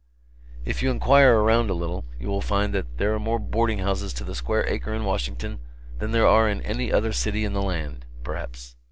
If you inquire around a little, you will find that there are more boardinghouses to the square acre in Washington than there are in any other city in the land, perhaps.